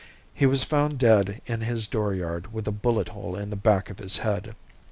He was found dead in his door yard with a bullet hole in the back of his head.